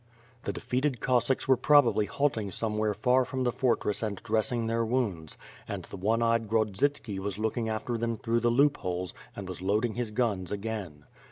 The defeated Cossacks were probably halting somewhere far from the fortress and dressing their wounds, and the one eyed Grodzitski was looking after them through the loop holes, and was loading his guns again.